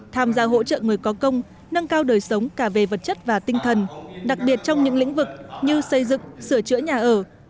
tham gia hỗ trợ người có công nâng cao đời sống cả về vật chất và tinh thần đặc biệt trong những lĩnh vực như xây dựng sửa chữa nhà ở